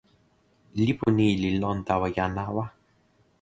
lipu ni li lon tawa jan lawa.